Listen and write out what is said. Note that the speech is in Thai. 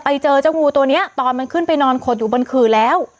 ไปเจอเจ้างูตัวนี้ตอนมันขึ้นไปนอนขดอยู่บนขื่อแล้ว